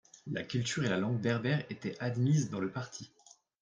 La culture et la langue berbères étaient admises dans le Parti.